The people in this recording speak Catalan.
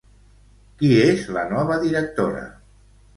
Qui és la nova directora?